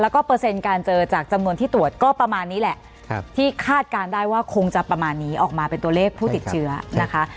แล้วก็เปอร์เซ็นต์การเจอจากจำนวนที่ตรวจก็ประมาณนี้แหละที่คาดการณ์ได้ว่าคงจะประมาณนี้ออกมาเป็นตัวเลขผู้ติดเชื้อนะคะ